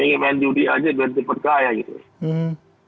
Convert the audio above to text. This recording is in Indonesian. ingin main judi aja dan cepat kaya gitu